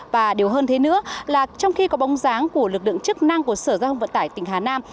còn thế nữa là trong khi có bóng dáng của lực lượng chức năng của sở giao thông vận tải tỉnh hà nam